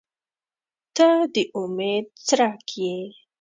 • ته د امید څرک یې.